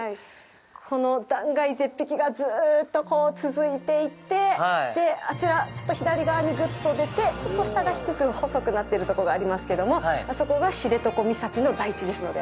この断崖絶壁がずうっと続いていて、あちら、ちょっと左側にぐっと出てちょっと下側が低く細くなってるとこがありますけどもあそこが知床岬の台地ですので。